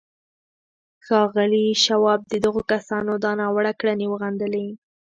ښاغلي شواب د دغو کسانو دا ناوړه کړنې وغندلې